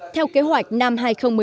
theo kế hoạch năm hai nghìn một mươi bảy